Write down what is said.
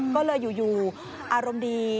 ก็เลยอยู่อารมณ์ดี